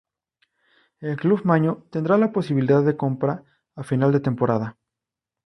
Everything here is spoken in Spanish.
El club maño tendrá la posibilidad de compra a final de temporada.